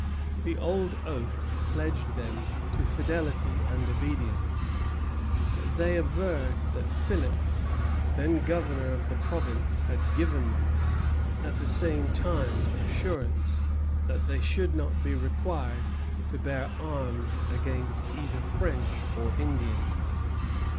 The old oath pledged them to fidelity and obedience; but they averred that Phillips, then governor of the province, had given them, at the same time, assurance that they should not be required to bear arms against either French or Indians.